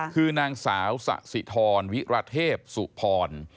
คือนางสาวสะสิทรวิรเทพสุพร